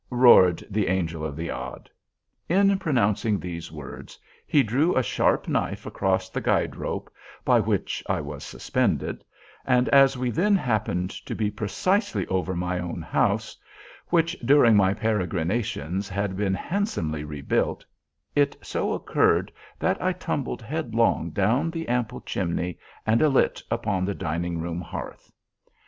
roared the Angel of the Odd. In pronouncing these words he drew a sharp knife across the guide rope by which I was suspended, and as we then happened to be precisely over my own house (which, during my peregrinations, had been handsomely rebuilt), it so occurred that I tumbled headlong down the ample chimney and alit upon the dining room hearth.